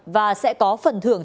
và sẽ có phần thưởng